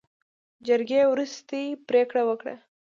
جرګې وروستۍ پرېکړه وکړه.